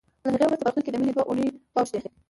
له هغې وروسته په روغتون کې د مينې دوه اوونۍ واوښتې